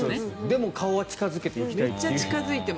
でも顔は近付けていきたいという。